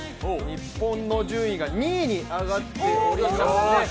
日本の順位が２位に上がっておりますね。